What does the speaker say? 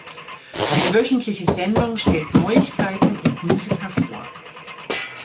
Eine wöchentliche Sendung stellt Neuigkeiten und Musiker vor.